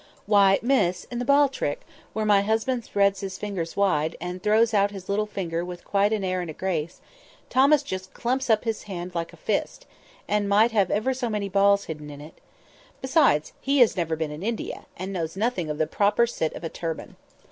Why, Miss, in the ball trick, where my husband spreads his fingers wide, and throws out his little finger with quite an air and a grace, Thomas just clumps up his hand like a fist, and might have ever so many balls hidden in it. Besides, he has never been in India, and knows nothing of the proper sit of a turban."